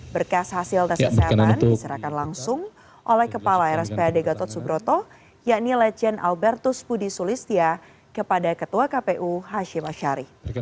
berkas hasil tes kesehatan diserahkan langsung oleh kepala rspad gatot subroto yakni lejen albertus budi sulistya kepada ketua kpu hashim ashari